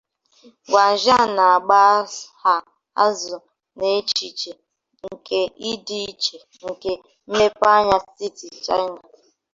Guang Xia na-agbagha azụ n'echiche nke ịdị iche nke mmepeanya steeti China.